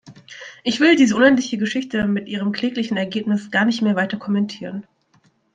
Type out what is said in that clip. Ich will diese unendliche Geschichte mit ihrem kläglichen Ergebnis gar nicht mehr weiter kommentieren.